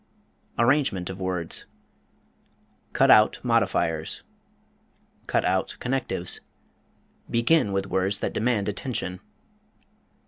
Arrangement of words Cut out modifiers. Cut out connectives. Begin with words that demand attention.